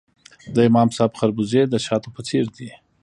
د امام صاحب خربوزې د شاتو په څیر دي.